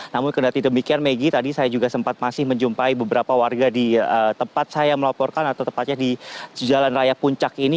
namun kendati demikian megi tadi saya juga sempat masih menjumpai beberapa warga di tempat saya melaporkan atau tepatnya di jalan raya puncak ini